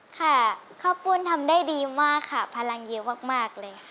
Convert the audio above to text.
ใช่ข้าวปุ่นทำได้ดีมากครับพลังเยอะมาก